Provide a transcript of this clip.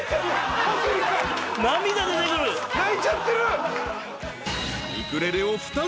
泣いちゃってる。